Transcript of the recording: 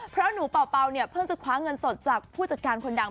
เพราะหนูเป่าเพิ่งจะข้าเหงินสดจากผู้จัดการดาง